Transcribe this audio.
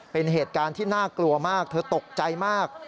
เป็นเหตุการณ์ที่น่ากลัวมากเธอตกใจมาก